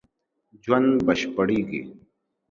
ژوند بشپړېږي